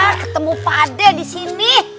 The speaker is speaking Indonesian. ketemu pak ade di sini